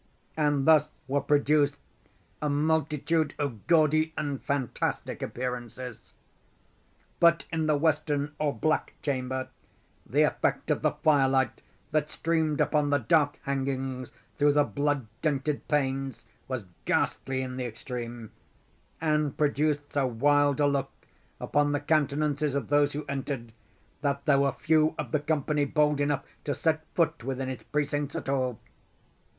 And thus were produced a multitude of gaudy and fantastic appearances. But in the western or black chamber the effect of the fire light that streamed upon the dark hangings through the blood tinted panes, was ghastly in the extreme, and produced so wild a look upon the countenances of those who entered, that there were few of the company bold enough to set foot within its precincts at all.